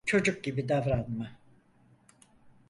Çocuk gibi davranma.